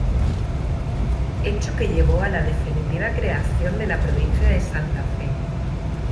Hecho que llevó a la definitiva creación de la provincia de Santa Fe.